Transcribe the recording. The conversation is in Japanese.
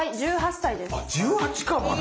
１８かまだ。